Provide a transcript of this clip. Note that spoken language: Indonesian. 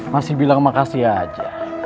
masih bilang makasih aja